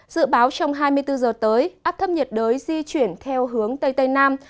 dự báo trong hai mươi bốn giờ tới áp thấp nhiệt đới di chuyển theo hướng tây tây nam